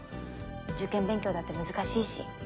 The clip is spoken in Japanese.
受験勉強だって難しいし。